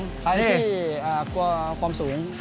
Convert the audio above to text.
ใครที่กลัวความสูง